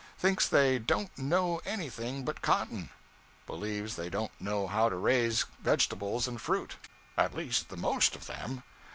Thinks they 'don't know anything but cotton;' believes they don't know how to raise vegetables and fruit 'at least the most of them.'